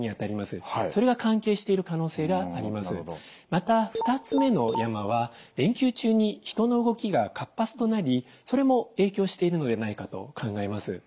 また２つ目の山は連休中に人の動きが活発となりそれも影響しているのでないかと考えます。